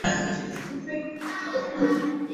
Akuna ubaguzi ya ma kabila muku rima